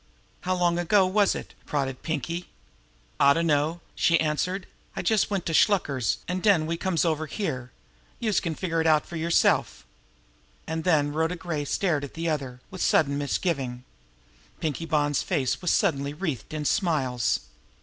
"How long ago was it?" prodded Pinkie. "I dunno," she answered. "I just went to Shluker's, an' den we comes over here. Youse can figure it fer yerself." And then Rhoda Gray stared at the other with sudden misgiving. Pinkie Bonn's face was suddenly wreathed in smiles.